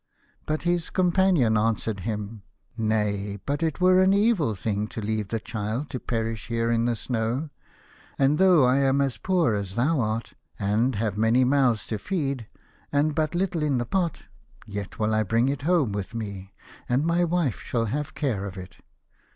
But his companion answered him :" Nay, but it were an evil thing to leave the child to perish here in the snow, and though I am as poor as thou art, and have many mouths to feed, and but little in the pot, yet will I bring it home with me, and my wife shall have care of it."